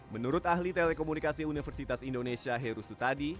menurut ahli telekomunikasi universitas indonesia heru sutadi